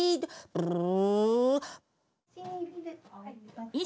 ブルルル。